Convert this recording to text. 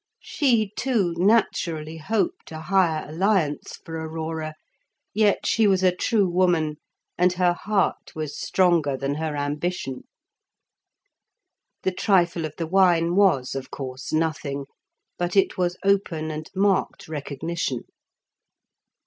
She, too, naturally hoped a higher alliance for Aurora; yet she was a true woman, and her heart was stronger than her ambition. The trifle of the wine was, of course, nothing; but it was open and marked recognition.